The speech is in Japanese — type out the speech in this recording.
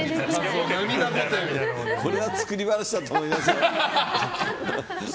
これは作り話だと思いますよ。